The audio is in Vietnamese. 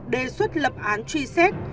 đề xuất lập án truy xét